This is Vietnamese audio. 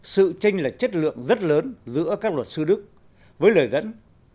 sự tranh lệch chất lượng rất lớn giữa các luật sư đức với lời dẫn